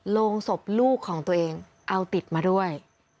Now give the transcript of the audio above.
โรงศพลูกของตัวเองเอาติดมาด้วย